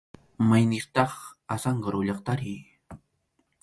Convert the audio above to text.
¿Mayniqtaq Azángaro llaqtari?